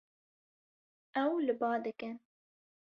Ew li ba dikin.